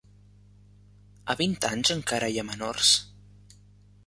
A vint anys encare hi ha menors?